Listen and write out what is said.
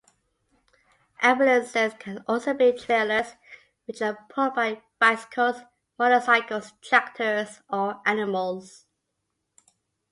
Ambulances can also be trailers, which are pulled by bicycles, motorcycles, tractors, or animals.